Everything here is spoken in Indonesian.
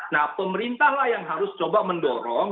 nah pemerintah lah yang harus coba mendorong